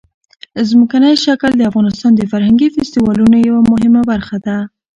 ځمکنی شکل د افغانستان د فرهنګي فستیوالونو یوه مهمه برخه ده.